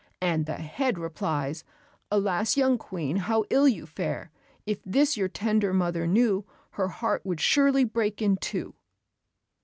And the head replies, "Alas, young Queen how ill you fare! If this your tender mother knew, Her heart would surely break in two."